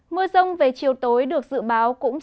mưa rông về chiều tối được dự báo